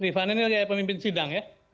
rifani ini kayak pemimpin sidang ya